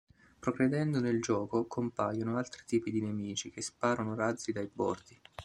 Progredendo nel gioco, compaiono altri tipi di nemici che sparano razzi dai bordi.